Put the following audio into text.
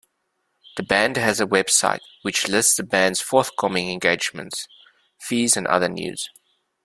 The Band has a website which lists the band's forthcoming engagements, fees and other news.